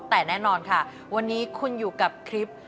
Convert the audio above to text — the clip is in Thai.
แต่แน่นอนค่ะวันนี้คุณอยู่กับคลิป